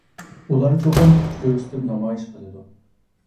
ئۇلار چوقۇم كۈچ كۆرسىتىپ نامايىش قىلىدۇ.